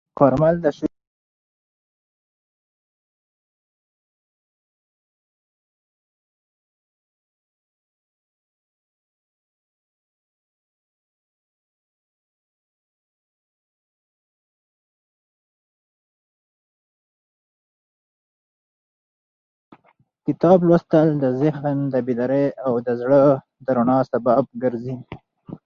د کتاب لوستل د ذهن د بیدارۍ او د زړه د رڼا سبب ګرځي.